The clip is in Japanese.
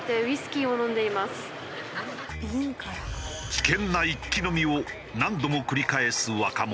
危険な一気飲みを何度も繰り返す若者。